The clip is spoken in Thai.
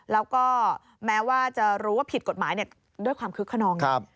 แล้วก็แม้ว่าจะรู้ว่าผิดกฎหมายด้วยความคึกขนอง